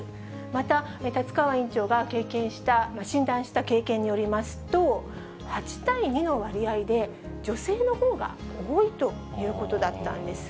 また立川院長が診断した経験によりますと、８対２の割合で女性の方が多いということだったんです。